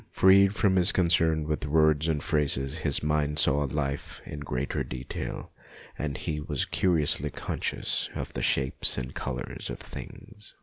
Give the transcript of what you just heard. Freed from its concern with words and phrases, his mind saw life in greater detail and he A SUMMER HOLIDAY 255 was curiously conscious of the shapes and colours of things.